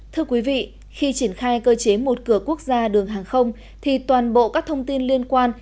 thưa quý vị khi triển khai cơ chế một cửa quốc gia đường hàng không thì toàn bộ các thông tin liên quan